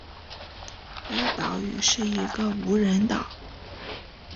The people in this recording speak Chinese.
该岛屿是一个无人岛。